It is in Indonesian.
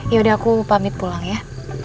ya udah aku pamit pulang ya